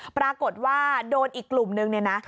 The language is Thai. ปรากฏว่าโดนอีกกลุ่มนึงเนี่ยนะ